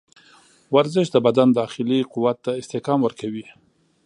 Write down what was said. ورزش د بدن داخلي قوت ته استحکام ورکوي.